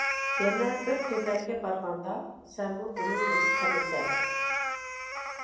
يەنە بىر كۈنلەرگە بارغاندا سەنمۇ بۇنى ھېس قىلىسەن.